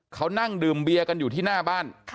เขานั่งดื่มเบียร์กันอยู่ที่หน้าบ้าน